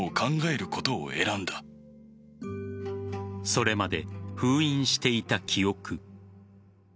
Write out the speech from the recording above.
それまで封印していた記憶。